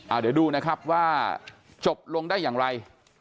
เดี๋ยวดูนะครับว่าจบลงได้อย่างไร